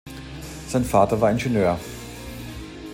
Sein Vater war Ingenieur.